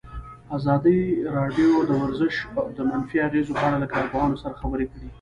ازادي راډیو د ورزش د منفي اغېزو په اړه له کارپوهانو سره خبرې کړي.